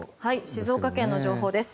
静岡県の情報です。